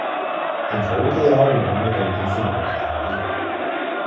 Im Folgejahr nahm er an diesem auch teil.